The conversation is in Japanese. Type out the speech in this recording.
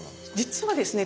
実はですね